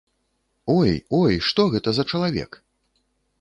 Ой, ой, што гэта за чалавек?